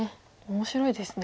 面白いですね。